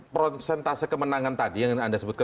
prosentase kemenangan tadi yang anda sebutkan